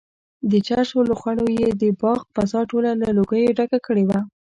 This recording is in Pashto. د چرسو لوخړو یې د باغ فضا ټوله له لوګیو ډکه کړې وه.